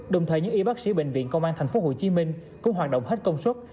đồng thời những y bác sĩ bệnh viện công an tp hcm cũng hoạt động hết công suất